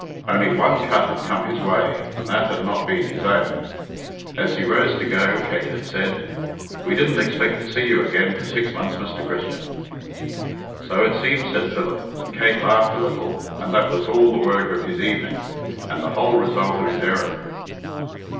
Only one cut had come his way, and that had not been his own. As he rose to go, Kate had said, "We didn't expect to see you again for six months, Mr. Christian." "So it seems," said Philip, and Kate laughed a little, and that was all the work of his evening, and the whole result of his errand.